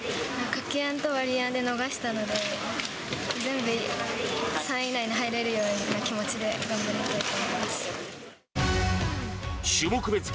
かけ暗とわり暗で逃したので、全部３位以内に入れるような気持ちで頑張りたいと思います。